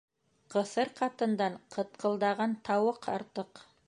Ҡыҫыр ҡатындан ҡытҡылдаған тауыҡ артыҡ.